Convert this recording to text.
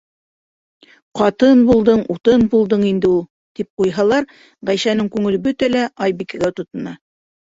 Ҡатын булдың - утын булдың инде ул, - тип ҡуйһалар, Ғәйшәнең күңеле бөтә лә, Айбикәгә тотона.